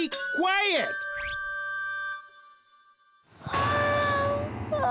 ああ！